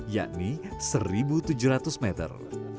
yakni satu tujuh ratus meter